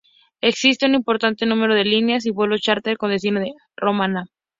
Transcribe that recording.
Existe un importante número de líneas y vuelos chárter con destino a La Romana.